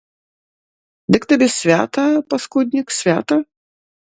Дык табе свята, паскуднік, свята?